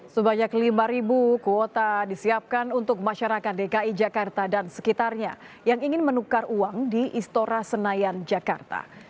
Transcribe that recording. sebanyak lima kuota disiapkan untuk masyarakat dki jakarta dan sekitarnya yang ingin menukar uang di istora senayan jakarta